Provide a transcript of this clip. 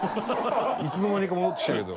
いつの間にか戻ってきたけど。